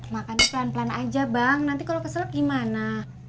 makanlah pelan pelan aja bang nanti kalau kesel gimana